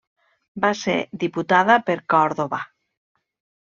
Va ser diputada per Còrdova.